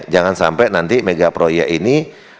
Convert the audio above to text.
jangan sampai nanti megaproyek ini